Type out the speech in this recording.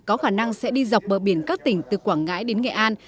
có khả năng sẽ đi dọc bờ biển các tỉnh từ quảng ngãi đến nghệ an